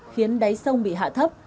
khiến đáy sông bị hạ thấp